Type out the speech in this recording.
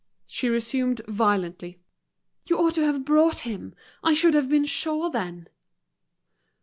She resumed violently, "You ought to have brought him. I should have been sure then."